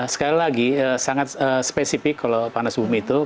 sekali lagi sangat spesifik kalau panas bumi itu